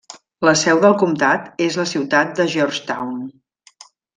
La seu del comtat és la ciutat de Georgetown.